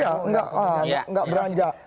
iya gak beranjak